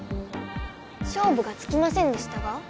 しょうぶがつきませんでしたが。